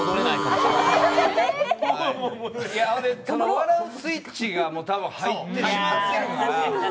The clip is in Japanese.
笑うスイッチが入ってしまってるから。